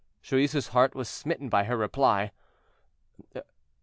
Joyeuse's heart was smitten by her reply.